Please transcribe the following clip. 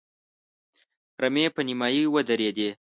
رمې په نيمايي ودرېدې.